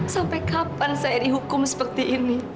sampai kapan saya dihukum seperti ini